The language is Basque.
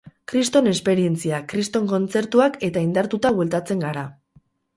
Kriston esperientzia, kriston kontzertuak eta indartuta bueltatzen gara.